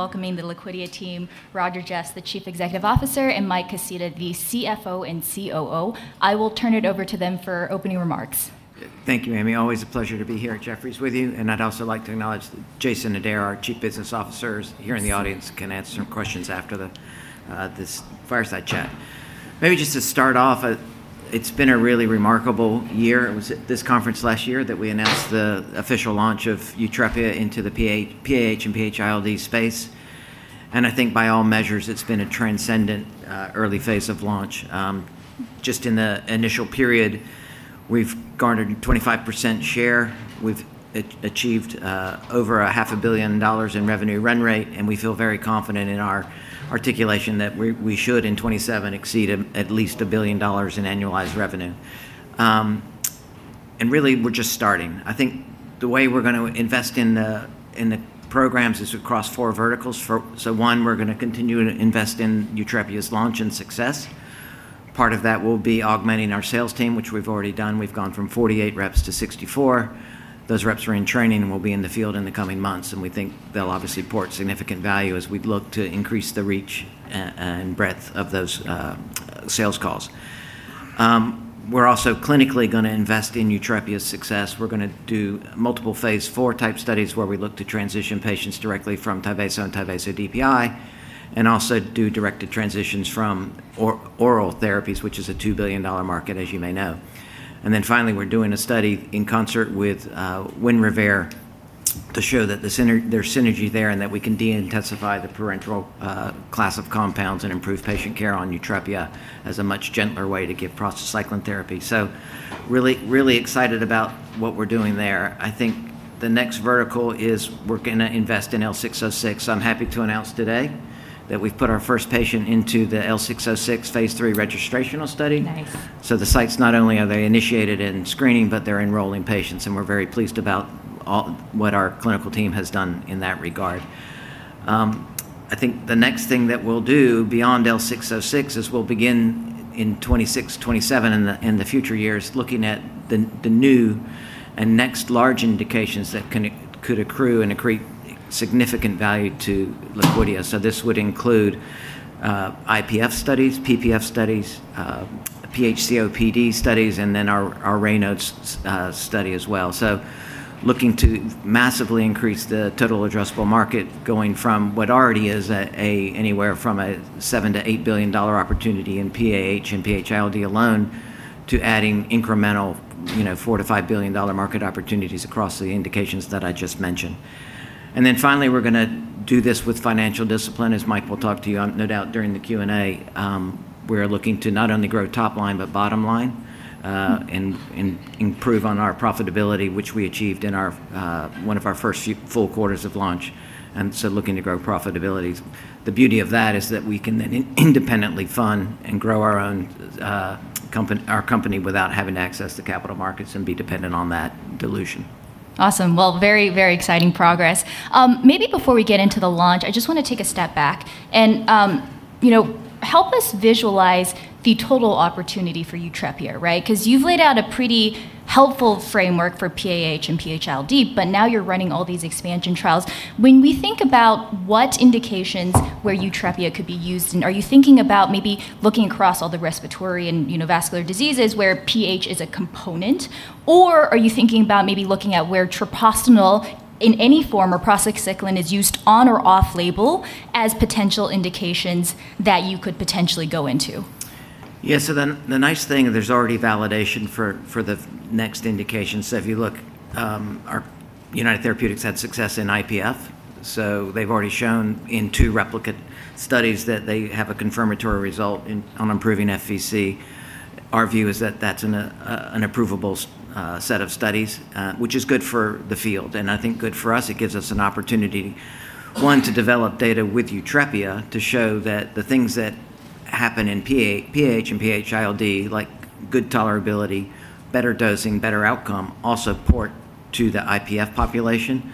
Welcoming the Liquidia team, Roger Jeffs, the Chief Executive Officer, and Michael Kaseta, the CFO and COO. I will turn it over to them for opening remarks. Thank you, Amy. Always a pleasure to be here at Jefferies with you, and I'd also like to acknowledge that Jason Adair, our Chief Business Officer, is here in the audience, can answer some questions after this fireside chat. Maybe just to start off, it's been a really remarkable year. It was at this conference last year that we announced the official launch of YUTREPIA into the PAH and PH-ILD space, and I think by all measures, it's been a transcendent early phase of launch. Just in the initial period, we've garnered 25% share. We've achieved over a half a billion dollars in revenue run rate, and we feel very confident in our articulation that we should, in 2027, exceed at least $1 billion in annualized revenue. Really, we're just starting. I think the way we're going to invest in the programs is across four verticals. One, we're going to continue to invest in YUTREPIA's launch and success. Part of that will be augmenting our sales team, which we've already done. We've gone from 48 reps to 64. Those reps are in training and will be in the field in the coming months, and we think they'll obviously port significant value as we look to increase the reach and breadth of those sales calls. We're also clinically going to invest in YUTREPIA's success. We're going to do multiple phase IV-type studies where we look to transition patients directly from TYVASO and TYVASO DPI, and also do directed transitions from oral therapies, which is a $2 billion market, as you may know. Finally, we're doing a study in concert with WINREVAIR to show that there's synergy there, and that we can de-intensify the parenteral class of compounds and improve patient care on YUTREPIA as a much gentler way to give prostacyclin therapy. Really excited about what we're doing there. I think the next vertical is we're going to invest in L606. I'm happy to announce today that we've put our first patient into the L606 phase III registrational study. Nice. The sites, not only are they initiated in screening, but they're enrolling patients, and we're very pleased about what our clinical team has done in that regard. I think the next thing that we'll do beyond L606 is we'll begin in 2026, 2027, in the future years, looking at the new and next large indications that could accrue and accrete significant value to Liquidia. This would include IPF studies, PPF studies, PH-COPD studies, and then our Raynaud's study as well. Looking to massively increase the total addressable market going from what already is anywhere from a $7 billion-$8 billion opportunity in PAH and PH-ILD alone to adding incremental $4 billion-$5 billion market opportunities across the indications that I just mentioned. Finally, we're going to do this with financial discipline, as Mike will talk to you, no doubt, during the Q&A. We're looking to not only grow top line, but bottom line, and improve on our profitability, which we achieved in one of our first few full quarters of launch, and so looking to grow profitability. The beauty of that is that we can then independently fund and grow our company without having to access the capital markets and be dependent on that dilution. Awesome. Well, very exciting progress. Maybe before we get into the launch, I just want to take a step back and help us visualize the total opportunity for YUTREPIA. Because you've laid out a pretty helpful framework for PAH and PH-ILD, but now you're running all these expansion trials. When we think about what indications where YUTREPIA could be used, and are you thinking about maybe looking across all the respiratory and vascular diseases where PH is a component, or are you thinking about maybe looking at where treprostinil in any form or prostacyclin is used on or off label as potential indications that you could potentially go into? Yeah. The nice thing, there's already validation for the next indication. If you look, United Therapeutics had success in IPF, so they've already shown in two replicate studies that they have a confirmatory result on improving FVC. Our view is that that's an approvable set of studies, which is good for the field, and I think good for us. It gives us an opportunity, one, to develop data with YUTREPIA to show that the things that happen in PAH and PH-ILD, like good tolerability, better dosing, better outcome, also port to the IPF population.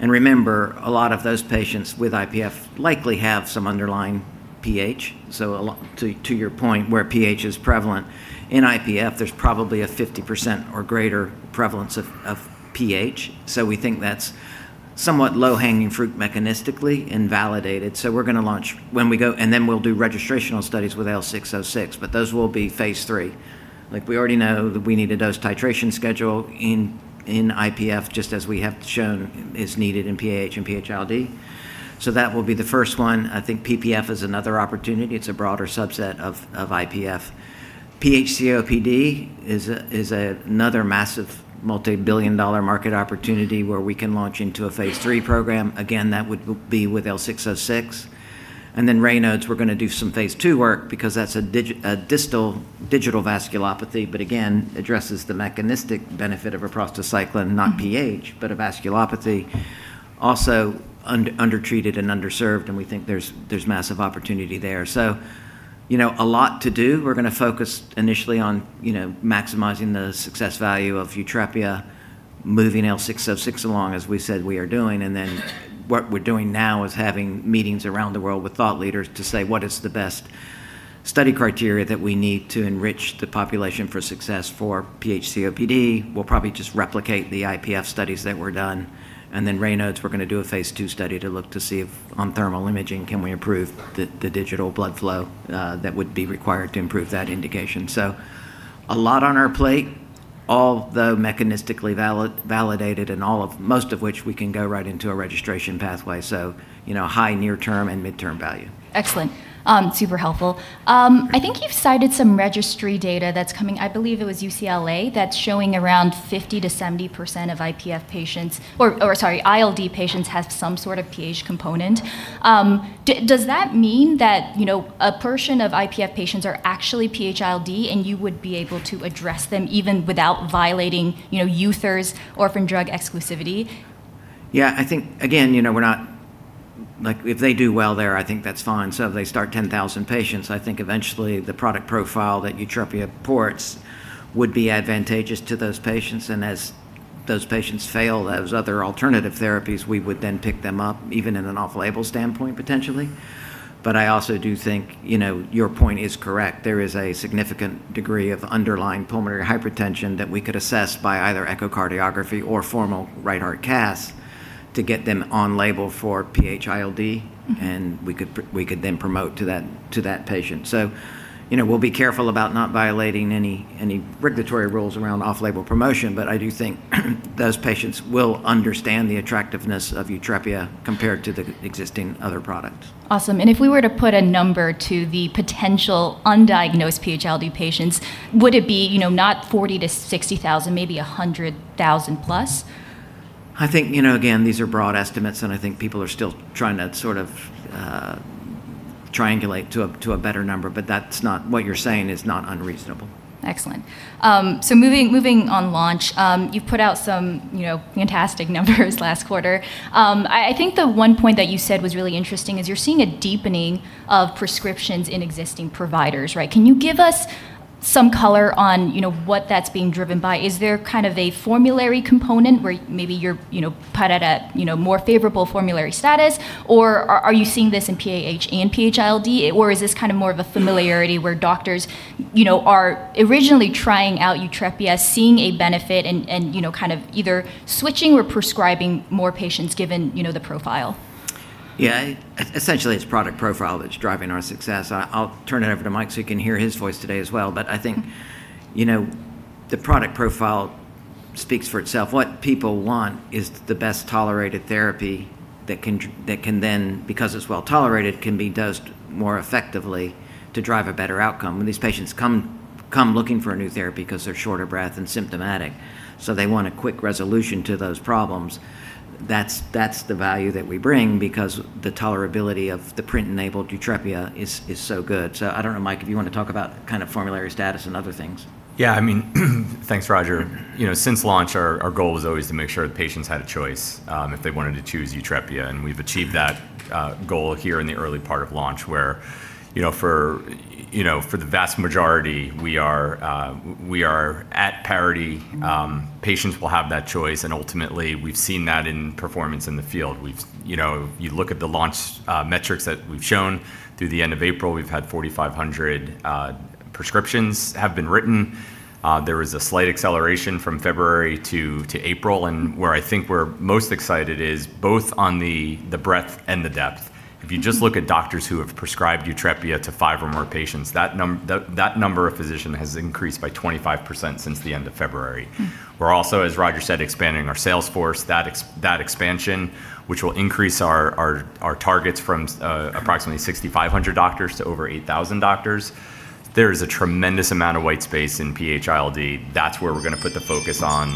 Remember, a lot of those patients with IPF likely have some underlying PH. To your point, where PH is prevalent in IPF, there's probably a 50% or greater prevalence of PH. We think that's somewhat low-hanging fruit mechanistically and validated. We're going to launch when we go, and then we'll do registrational studies with L606, but those will be phase III. We already know that we need a dose titration schedule in IPF, just as we have shown is needed in PAH and PH-ILD. That will be the first one. I think PPF is another opportunity. It's a broader subset of IPF. PH-COPD is another massive multi-billion dollar market opportunity where we can launch into a phase III program. Again, that would be with L606. Raynaud's, we're going to do some phase II work because that's a distal digital vasculopathy, but again, addresses the mechanistic benefit of a prostacyclin, not PH, but a vasculopathy. Also undertreated and underserved, and we think there's massive opportunity there. A lot to do. We're going to focus initially on maximizing the success value of YUTREPIA, moving L606 along, as we said we are doing. What we're doing now is having meetings around the world with thought leaders to say what is the best study criteria that we need to enrich the population for success for PH-COPD. We'll probably just replicate the IPF studies that were done. Raynaud's we're going to do a phase II study to look to see if on thermal imaging, can we improve the digital blood flow that would be required to improve that indication. A lot on our plate, all the mechanistically validated and most of which we can go right into a registration pathway. High near-term and mid-term value. Excellent. Super helpful. I think you've cited some registry data that's coming, I believe it was UCLA, that's showing around 50%-70% of IPF patients or, sorry, ILD patients have some sort of PH component. Does that mean that a portion of IPF patients are actually PH-ILD and you would be able to address them even without violating United Therapeutics orphan drug exclusivity? Yeah, I think again, if they do well there, I think that's fine. If they start 10,000 patients, I think eventually the product profile that YUTREPIA reports would be advantageous to those patients, and as those patients fail those other alternative therapies, we would then pick them up, even in an off-label standpoint, potentially. I also do think, your point is correct. There is a significant degree of underlying pulmonary hypertension that we could assess by either echocardiography or formal right heart catheterizations to get them on-label for PH-ILD, and we could then promote to that patient. We'll be careful about not violating any regulatory rules around off-label promotion. I do think those patients will understand the attractiveness of YUTREPIA compared to the existing other products. Awesome. If we were to put a number to the potential undiagnosed PH-ILD patients, would it be, not 40,000-60,000, maybe 100,000+? I think, again, these are broad estimates, and I think people are still trying to sort of triangulate to a better number. What you're saying is not unreasonable. Excellent. Moving on, launch. You've put out some fantastic numbers last quarter. I think the one point that you said was really interesting is you're seeing a deepening of prescriptions in existing providers, right? Can you give us some color on what that's being driven by? Is there kind of a formulary component where maybe you're put at a more favorable formulary status, or are you seeing this in PAH and PH-ILD, or is this kind of more of a familiarity where doctors are originally trying out YUTREPIA, seeing a benefit and, kind of either switching or prescribing more patients given the profile? Yeah. Essentially, it's product profile that's driving our success. I'll turn it over to Mike so you can hear his voice today as well. I think the product profile speaks for itself. What people want is the best-tolerated therapy that can then, because it's well-tolerated, can be dosed more effectively to drive a better outcome. When these patients come looking for a new therapy because they're short of breath and symptomatic, so they want a quick resolution to those problems. That's the value that we bring because the tolerability of the PRINT-enabled YUTREPIA is so good. I don't know, Mike, if you want to talk about formulary status and other things. Yeah. Thanks, Roger. Since launch, our goal was always to make sure the patients had a choice, if they wanted to choose YUTREPIA, and we've achieved that goal here in the early part of launch where for the vast majority, we are at parity. Patients will have that choice, and ultimately, we've seen that in performance in the field. You look at the launch metrics that we've shown through the end of April, we've had 4,500 prescriptions have been written. There was a slight acceleration from February to April, and where I think we're most excited is both on the breadth and the depth. If you just look at doctors who have prescribed YUTREPIA to five or more patients, that number of physicians has increased by 25% since the end of February. We're also, as Roger said, expanding our sales force. That expansion, which will increase our targets from approximately 6,500 doctors to over 8,000 doctors. There is a tremendous amount of white space in PH-ILD. That's where we're going to put the focus on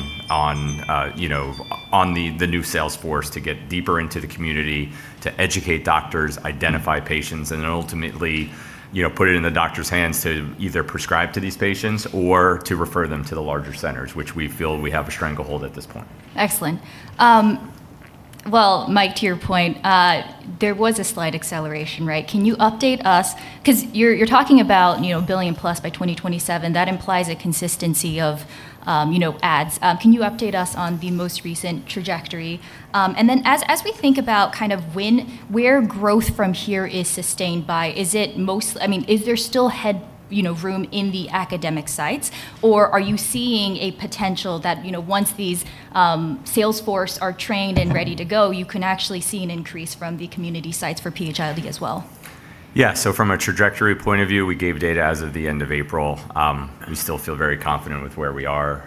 the new sales force to get deeper into the community, to educate doctors, identify patients, and then ultimately put it in the doctor's hands to either prescribe to these patients or to refer them to the larger centers, which we feel we have a stranglehold at this point. Excellent. Well, Mike, to your point, there was a slight acceleration, right? Can you update us? Because you're talking about a $1 billion plus by 2027. That implies a consistency of NRx. Can you update us on the most recent trajectory? As we think about kind of where growth from here is sustained by, is there still headroom in the academic sites, or are you seeing a potential that once these sales force are trained and ready to go, you can actually see an increase from the community sites for PH-ILD as well? From a trajectory point of view, we gave data as of the end of April. We still feel very confident with where we are.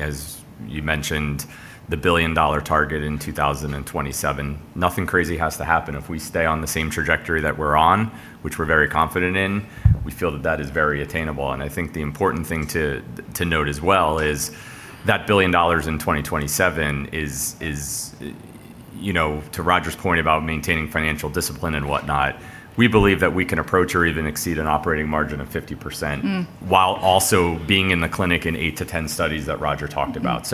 As you mentioned, the billion-dollar target in 2027, nothing crazy has to happen. If we stay on the same trajectory that we're on, which we're very confident in, we feel that that is very attainable. I think the important thing to note as well is that billion dollars in 2027 is, to Roger's point about maintaining financial discipline and whatnot, we believe that we can approach or even exceed an operating margin of 50% while also being in the clinic in eight to 10 studies that Roger talked about.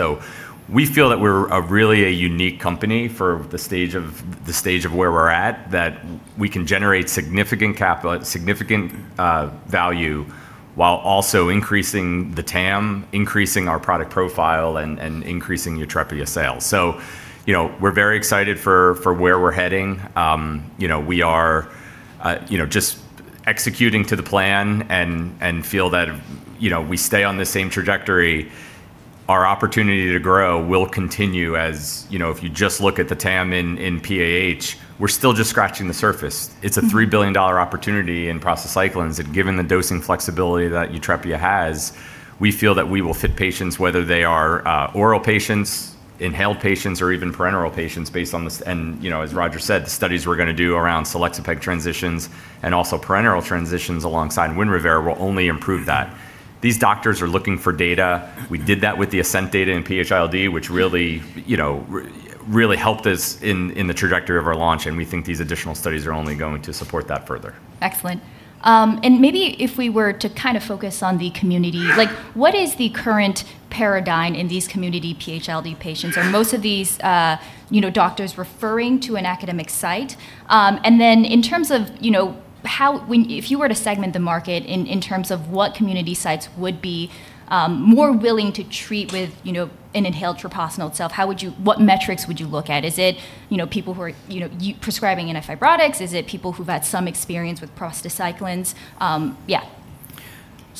We feel that we're really a unique company for the stage of where we're at, that we can generate significant value while also increasing the TAM, increasing our product profile, and increasing YUTREPIA sales. We're very excited for where we're heading. We are just executing to the plan and feel that we stay on the same trajectory. Our opportunity to grow will continue. If you just look at the TAM in PAH, we're still just scratching the surface. It's a $3 billion opportunity in prostacyclins, and given the dosing flexibility that YUTREPIA has, we feel that we will fit patients, whether they are oral patients, inhaled patients, or even parenteral patients based on this. As Roger said, the studies we're going to do around selexipag transitions and also parenteral transitions alongside WINREVAIR will only improve that. These doctors are looking for data. We did that with the ASCENT data in PH-ILD, which really helped us in the trajectory of our launch. We think these additional studies are only going to support that further. Excellent. Maybe if we were to focus on the community. What is the current paradigm in these community PH-ILD patients? Are most of these doctors referring to an academic site? In terms of if you were to segment the market in terms of what community sites would be more willing to treat with an inhaled treprostinil itself, what metrics would you look at? Is it people who are prescribing antifibrotics? Is it people who've had some experience with prostacyclins? Yeah.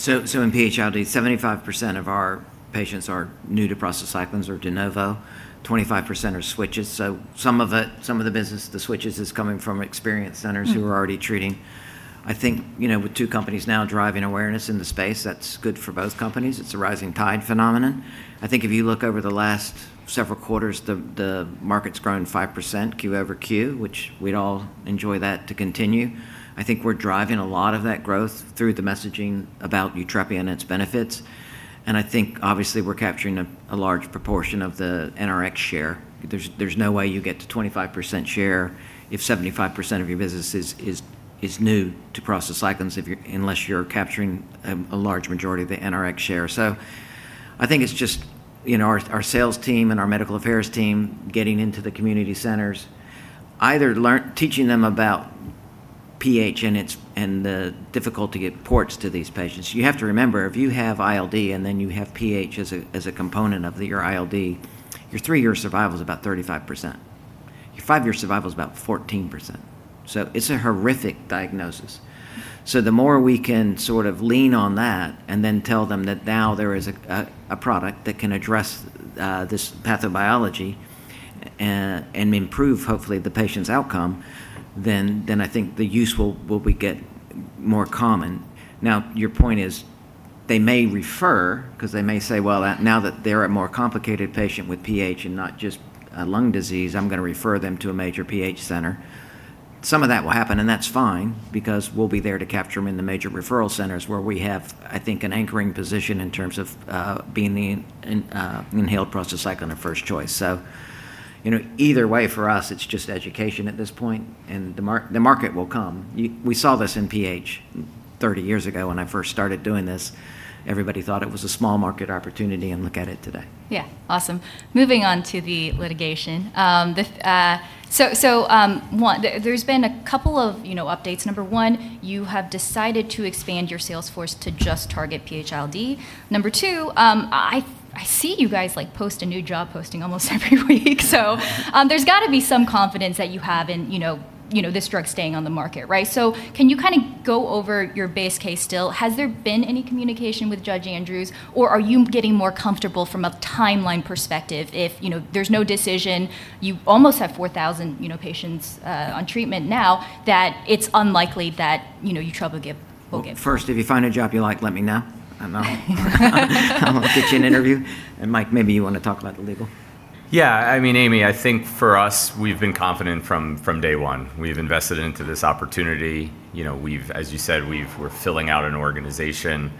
In PH-ILD, 75% of our patients are new to prostacyclins or de novo, 25% are switchers. Some of the business, the switchers, is coming from experienced centers who are already treating. I think, with two companies now driving awareness in the space, that's good for both companies. It's a rising tide phenomenon. I think if you look over the last several quarters, the market's grown 5% quarter-over-quarter, which we'd all enjoy that to continue. I think we're driving a lot of that growth through the messaging about YUTREPIA and its benefits, and I think obviously we're capturing a large proportion of the NRx share. There's no way you get to 25% share if 75% of your business is new to prostacyclins, unless you're capturing a large majority of the NRx share. I think it's just our sales team and our medical affairs team getting into the community centers, either teaching them about PH and the difficulty to get ports to these patients. You have to remember, if you have ILD and then you have PH as a component of your ILD, your three-year survival is about 35%. Your five-year survival is about 14%. It's a horrific diagnosis. The more we can sort of lean on that and then tell them that now there is a product that can address this pathobiology and improve, hopefully, the patient's outcome, then I think the use will get more common. Now, your point is they may refer because they may say, "Well, now that they're a more complicated patient with PH and not just a lung disease, I'm going to refer them to a major PH center." Some of that will happen, and that's fine because we'll be there to capture them in the major referral centers where we have, I think, an anchoring position in terms of being the inhaled prostacyclin of first choice. Either way, for us, it's just education at this point, and the market will come. We saw this in PH 30 years ago when I first started doing this. Everybody thought it was a small market opportunity, and look at it today. Yeah. Awesome. Moving on to the litigation. One, there's been a couple of updates. Number one, you have decided to expand your sales force to just target PH-ILD. Number two, I see you guys post a new job posting almost every week, so there's got to be some confidence that you have in this drug staying on the market, right? Can you go over your base case still? Has there been any communication with Judge Andrews, or are you getting more comfortable from a timeline perspective? If there's no decision, you almost have 4,000 patients on treatment now that it's unlikely that you trouble give. Well, first, if you find a job you like, let me know, and I'll get you an interview. Mike, maybe you want to talk about the label? Yeah. Amy, I think for us, we've been confident from day one. We've invested into this opportunity. As you said, we're filling out an organization.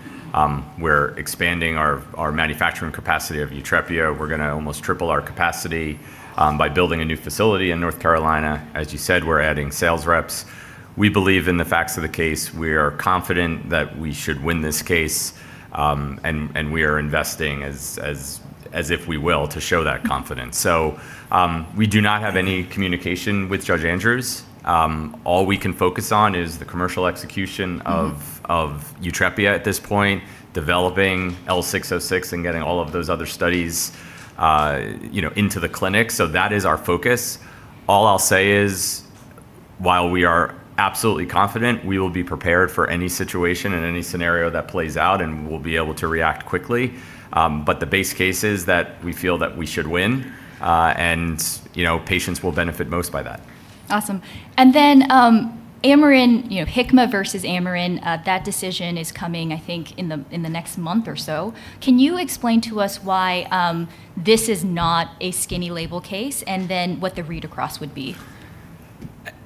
We're expanding our manufacturing capacity of YUTREPIA. We're going to almost triple our capacity by building a new facility in North Carolina. As you said, we're adding sales reps. We believe in the facts of the case. We are confident that we should win this case, and we are investing as if we will to show that confidence. We do not have any communication with Judge Andrews. All we can focus on is the commercial execution of YUTREPIA at this point, developing L606, and getting all of those other studies into the clinic. That is our focus. All I'll say is while we are absolutely confident, we will be prepared for any situation and any scenario that plays out, and we'll be able to react quickly. The base case is that we feel that we should win, and patients will benefit most by that. Awesome. Amarin, Hikma versus Amarin, that decision is coming, I think, in the next month or so. Can you explain to us why this is not a skinny label case, and then what the read-across would be?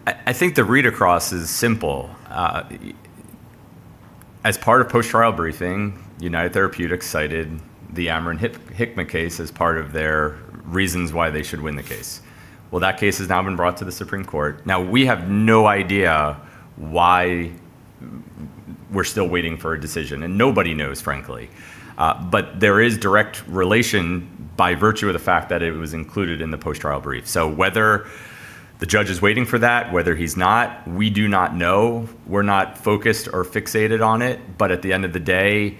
I think the read-across is simple. As part of post-trial briefing, United Therapeutics cited the Amarin Hikma case as part of their reasons why they should win the case. That case has now been brought to the Supreme Court. We have no idea why we're still waiting for a decision, and nobody knows, frankly. There is direct relation by virtue of the fact that it was included in the post-trial brief. Whether the judge is waiting for that, whether he's not, we do not know. We're not focused or fixated on it, but at the end of the day,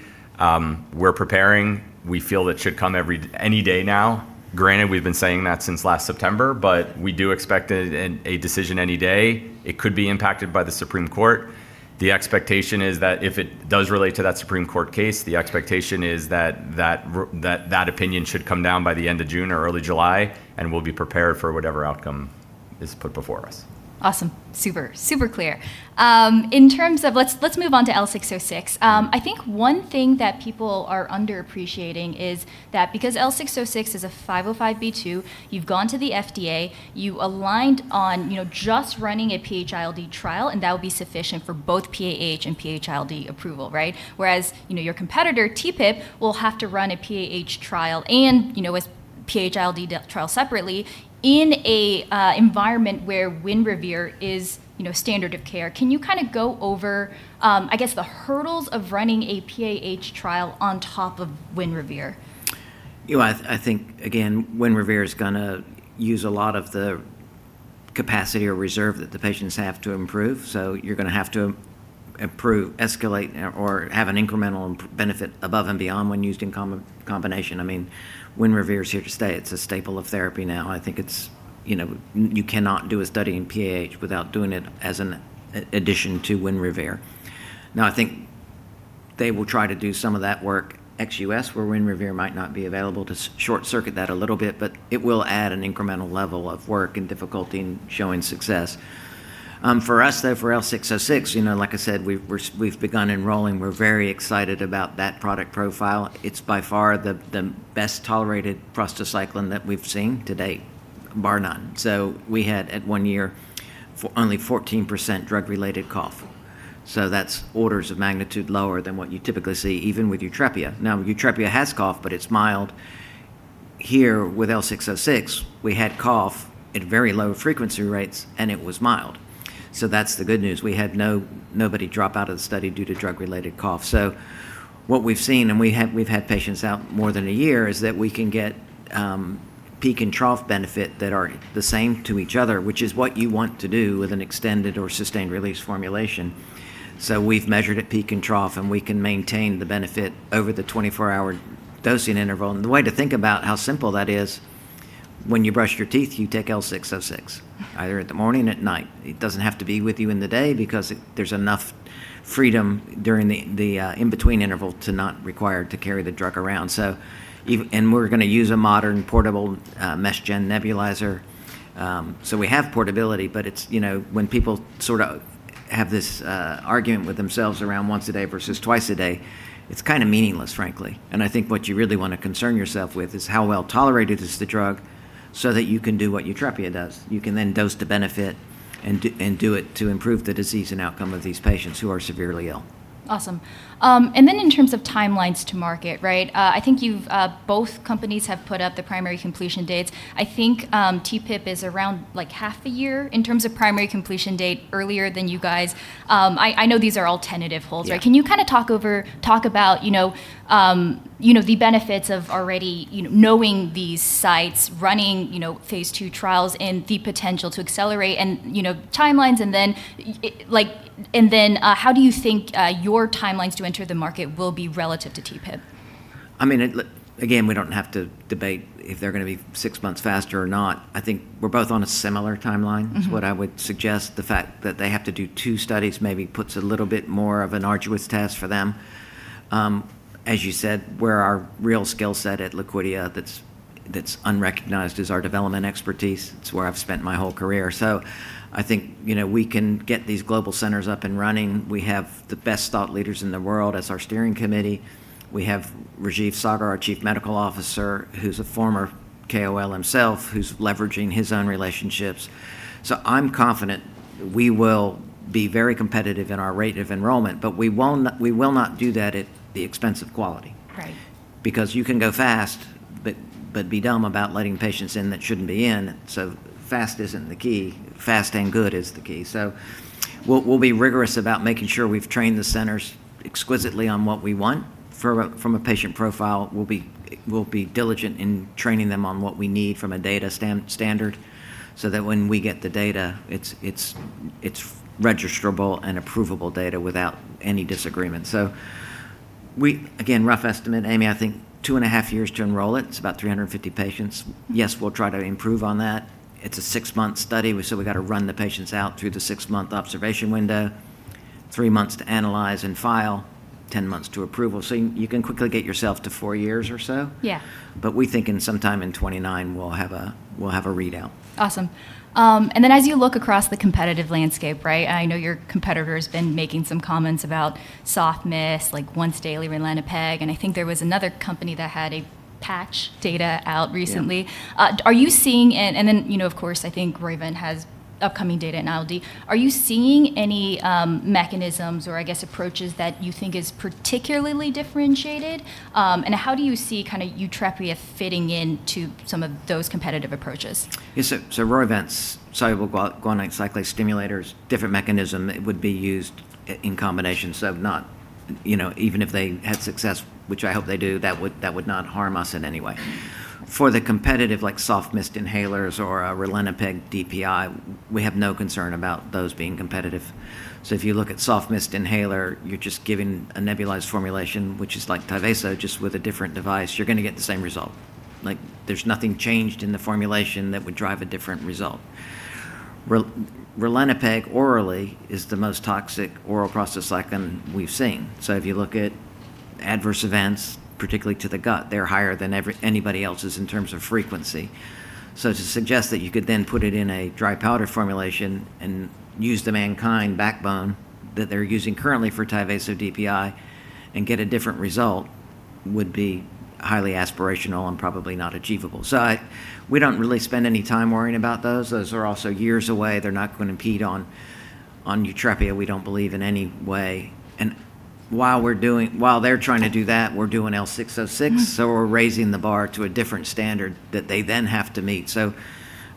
we're preparing. We feel it should come any day now. Granted, we've been saying that since last September, but we do expect a decision any day. It could be impacted by the Supreme Court. The expectation is that if it does relate to that Supreme Court case, the expectation is that that opinion should come down by the end of June or early July, and we'll be prepared for whatever outcome is put before us. Awesome. Super clear. Let's move on to L606. I think one thing that people are underappreciating is that because L606 is a 505(b)(2), you've gone to the FDA, you aligned on just running a PH-ILD trial, and that would be sufficient for both PAH and PH-ILD approval. Whereas, your competitor TPIP will have to run a PAH trial and a PH-ILD trial separately in an environment where WINREVAIR is standard of care. Can you go over the hurdles of running a PAH trial on top of WINREVAIR? I think, again, WINREVAIR is going to use a lot of the capacity or reserve that the patients have to improve, so you're going to have to escalate or have an incremental benefit above and beyond when used in combination. WINREVAIR is here to stay. It's a staple of therapy now. I think you cannot do a study in PAH without doing it as an addition to WINREVAIR. I think they will try to do some of that work ex-U.S., where WINREVAIR might not be available to short-circuit that a little bit, but it will add an incremental level of work and difficulty in showing success. For us, though, for L606, like I said, we've begun enrolling. We're very excited about that product profile. It's by far the best-tolerated prostacyclin that we've seen to date, bar none. We had at one year only 14% drug-related cough. That's orders of magnitude lower than what you typically see, even with YUTREPIA. Now, YUTREPIA has cough, but it's mild. Here with L606, we had cough at very low frequency rates, and it was mild. That's the good news. We had nobody drop out of the study due to drug-related cough. What we've seen, and we've had patients out more than one year, is that we can get peak and trough benefit that are the same to each other, which is what you want to do with an extended or sustained release formulation. We've measured at peak and trough, and we can maintain the benefit over the 24-hour dosing interval. The way to think about how simple that is, when you brush your teeth, you take L606, either in the morning or at night. It doesn't have to be with you in the day because there's enough freedom during the in-between interval to not require to carry the drug around. We're going to use a modern, portable mesh nebulizer. We have portability, but when people have this argument with themselves around once a day versus twice a day, it's kind of meaningless, frankly. I think what you really want to concern yourself with is how well-tolerated is the drug so that you can do what YUTREPIA does. You can dose to benefit and do it to improve the disease and outcome of these patients who are severely ill. Awesome. Then in terms of timelines to market, I think both companies have put up the primary completion dates. I think TPIP is around half a year in terms of primary completion date earlier than you guys. I know these are all tentative holds. Can you talk about the benefits of already knowing these sites, running phase II trials, and the potential to accelerate and timelines? How do you think your timelines to enter the market will be relative to TPIP? Again, we don't have to debate if they're going to be six months faster or not. I think we're both on a similar timeline is what I would suggest. The fact that they have to do two studies maybe puts a little bit more of an arduous task for them. As you said, where our real skill set at Liquidia that's unrecognized is our development expertise. It's where I've spent my whole career. I think we can get these global centers up and running. We have the best thought leaders in the world as our steering committee. We have Rajeev Saggar, our Chief Medical Officer, who's a former KOL himself, who's leveraging his own relationships. I'm confident we will be very competitive in our rate of enrollment, but we will not do that at the expense of quality. Right. You can go fast, but be dumb about letting patients in that shouldn't be in. Fast isn't the key. Fast and good is the key. We'll be rigorous about making sure we've trained the centers exquisitely on what we want from a patient profile. We'll be diligent in training them on what we need from a data standard so that when we get the data, it's registerable and approvable data without any disagreement. Again, rough estimate, Amy, I think 2.5 years to enroll it. It's about 350 patients. Yes, we'll try to improve on that. It's a six-month study, we've got to run the patients out through the six-month observation window. Three months to analyze and file, 10 months to approval. You can quickly get yourself to four years or so. Yeah. We think sometime in 2029, we'll have a readout. Awesome. As you look across the competitive landscape, I know your competitor's been making some comments about soft mist, once daily ralinepag, and I think there was another company that had patch data out recently. Of course, I think Roivant has upcoming data in ILD. Are you seeing any mechanisms or approaches that you think is particularly differentiated? How do you see YUTREPIA fitting into some of those competitive approaches? Yeah. Roivant's soluble guanylate cyclase stimulator is a different mechanism. It would be used in combination. Even if they had success, which I hope they do, that would not harm us in any way. For the competitive like soft mist inhalers or ralinepag DPI, we have no concern about those being competitive. If you look at soft mist inhaler, you're just giving a nebulized formulation, which is like TYVASO, just with a different device. You're going to get the same result. There's nothing changed in the formulation that would drive a different result. ralinepag orally is the most toxic oral prostacyclin we've seen. If you look at adverse events, particularly to the gut, they're higher than anybody else's in terms of frequency. To suggest that you could then put it in a dry powder formulation and use the MannKind backbone that they're using currently for TYVASO DPI and get a different result would be highly aspirational and probably not achievable. We don't really spend any time worrying about those. Those are also years away. They're not going to impede on YUTREPIA, we don't believe, in any way. While they're trying to do that, we're doing L606. We're raising the bar to a different standard that they then have to meet.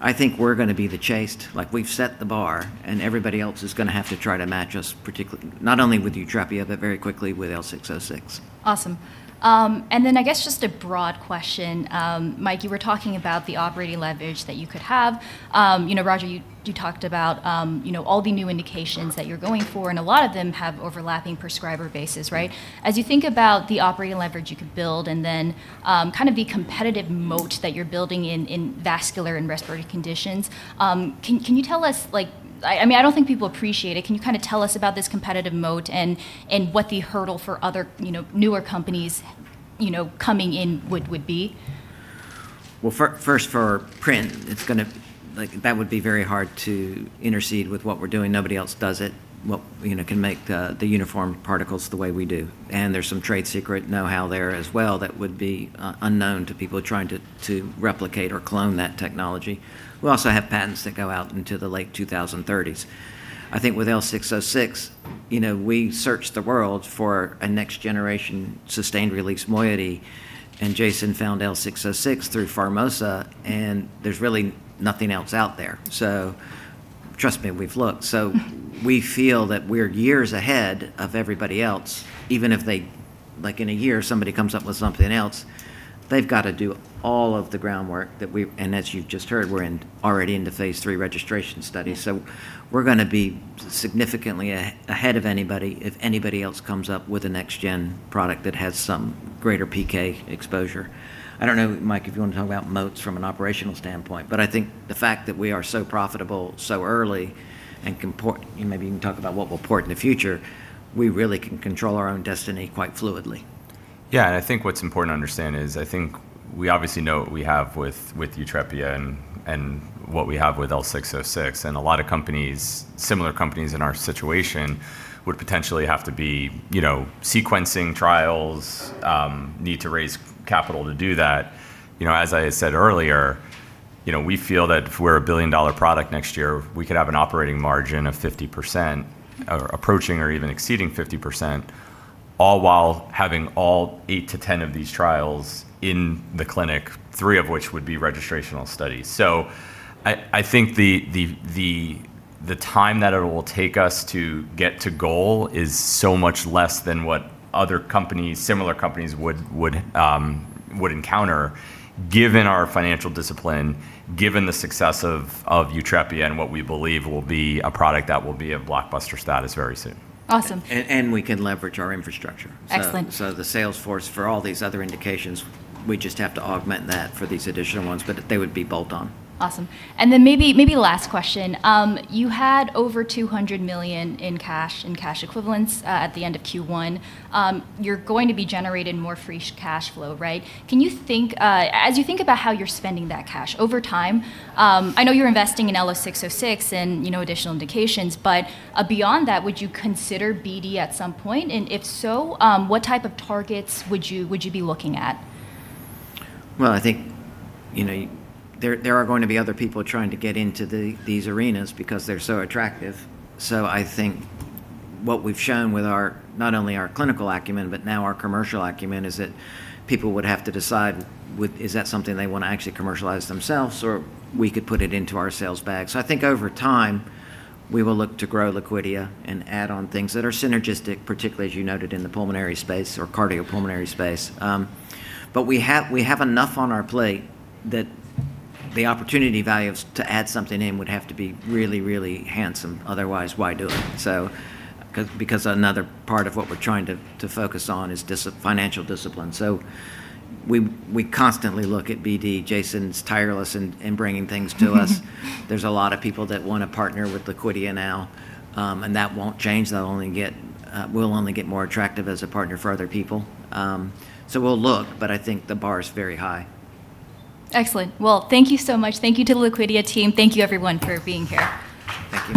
I think we're going to be the chased. We've set the bar, and everybody else is going to have to try to match us, particularly not only with YUTREPIA, but very quickly with L606. Awesome. I guess, just a broad question. Mike, you were talking about the operating leverage that you could have. Roger, you talked about all the new indications that you're going for, and a lot of them have overlapping prescriber bases, right? As you think about the operating leverage you could build and then kind of the competitive moat that you're building in vascular and respiratory conditions, can you tell us I don't think people appreciate it. Can you tell us about this competitive moat and what the hurdle for other newer companies coming in would be? Well, first for PRINT, that would be very hard to intercede with what we're doing. Nobody else does it, well, can make the uniform particles the way we do. There's some trade secret know-how there as well that would be unknown to people trying to replicate or clone that technology. We also have patents that go out into the late 2030s. I think with L606, we searched the world for a next-generation sustained release moiety, and Jason found L606 through Pharmosa, and there's really nothing else out there. Trust me, we've looked. We feel that we're years ahead of everybody else. Even if in a year, somebody comes up with something else, they've got to do all of the groundwork that we As you've just heard, we're already into phase III registration studies. We're going to be significantly ahead of anybody if anybody else comes up with a next-gen product that has some greater PK exposure. I don't know, Mike, if you want to talk about moats from an operational standpoint, but I think the fact that we are so profitable so early. Maybe you can talk about what we'll port in the future. We really can control our own destiny quite fluidly. I think what's important to understand is I think we obviously know what we have with YUTREPIA and what we have with L606. A lot of similar companies in our situation would potentially have to be sequencing trials, need to raise capital to do that. As I said earlier, we feel that if we're a billion-dollar product next year, we could have an operating margin of 50%, or approaching or even exceeding 50%, all while having all 8-10 of these trials in the clinic, three of which would be registrational studies. I think the time that it will take us to get to goal is so much less than what other similar companies would encounter, given our financial discipline, given the success of YUTREPIA and what we believe will be a product that will be of blockbuster status very soon. Awesome. We can leverage our infrastructure. Excellent. The sales force for all these other indications, we just have to augment that for these additional ones, but they would be bolt-on. Awesome. Maybe last question. You had over $200 million in cash and cash equivalents at the end of Q1. You're going to be generating more fresh cash flow, right? As you think about how you're spending that cash over time, I know you're investing in L606 and additional indications, but beyond that, would you consider BD at some point? If so, what type of targets would you be looking at? Well, I think there are going to be other people trying to get into these arenas because they're so attractive. I think what we've shown with not only our clinical acumen, but now our commercial acumen, is that people would have to decide is that something they want to actually commercialize themselves, or we could put it into our sales bag. I think over time, we will look to grow Liquidia and add on things that are synergistic, particularly as you noted in the pulmonary space or cardiopulmonary space. We have enough on our plate that the opportunity value to add something in would have to be really, really handsome. Otherwise, why do it? Because another part of what we're trying to focus on is financial discipline. We constantly look at BD. Jason's tireless in bringing things to us. There's a lot of people that want to partner with Liquidia now, and that won't change. We'll only get more attractive as a partner for other people. We'll look, but I think the bar is very high. Excellent. Well, thank you so much. Thank you to the Liquidia team. Thank you everyone for being here. Thank you.